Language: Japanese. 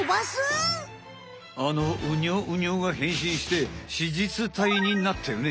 あのウニョウニョが変身して子実体になったよね。